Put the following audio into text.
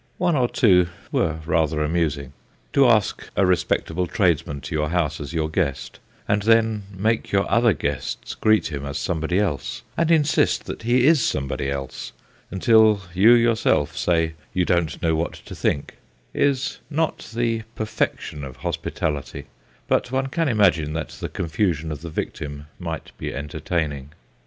One or two were rather amusing. To ask a respectable tradesman to your house as your guest and then make your other guests greet him as somebody else, and insist that he is somebody else, until you yourself say you don't know what to think, is not the perfection of hospitality, but one can imagine that the confusion of the victim might be entertaining.